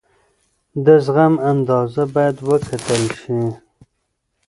د زغم اندازه باید وکتل شي.